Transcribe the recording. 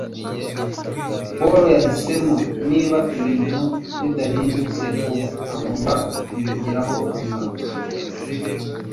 Paul yahisemo niba ibintu bidahindutse vuba agomba kumugiraho ingaruka.